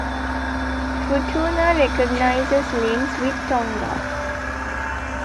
Futuna recognizes links with Tonga.